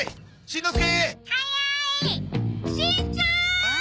しんちゃーん！